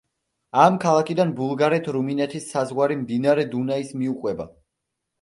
ამ ქალაქიდან ბულგარეთ-რუმინეთის საზღვარი მდინარე დუნაის მიუყვება.